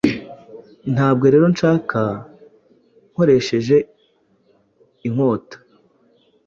Ntabwo rero nshaka nkoresheje inkota